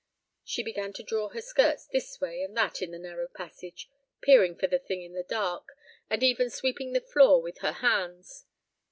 She began to draw her skirts this way and that in the narrow passage, peering for the thing in the dark, and even sweeping the floor with her hands.